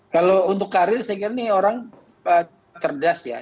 kalau untuk karir saya kira ini orang cerdas ya